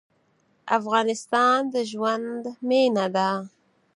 افغانستان د ژوند مېنه ده.